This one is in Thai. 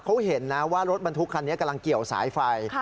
เขาเห็นนะว่ารถบรรทุกคันนี้กำลังเกี่ยวสายไฟ